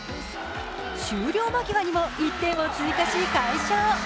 終了間際にも１点を追加し、快勝。